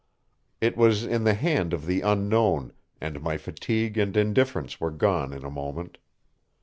It was in the hand of the Unknown, and my fatigue and indifference were gone in a moment.